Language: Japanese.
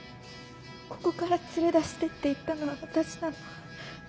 ここから連れ出してって言ったのは私なの。